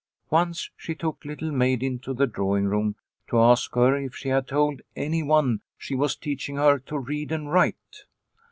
Once she took Little Maid into the drawing room to ask her if she had told anyone she was teaching her to read and write.